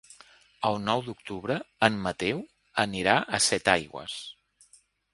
El nou d'octubre en Mateu anirà a Setaigües.